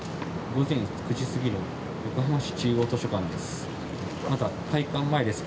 午前９時過ぎの横浜市中央図書館です。